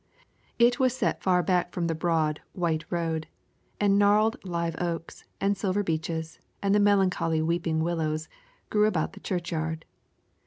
It was set far back from the broad, white road, and gnarled live oaks and silver beeches and the melancholy weeping willows grew about the churchyard.